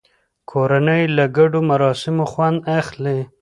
کورنۍ له ګډو مراسمو خوند اخلي